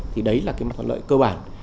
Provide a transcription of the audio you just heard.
thì đấy là cái mặt toàn lợi cơ bản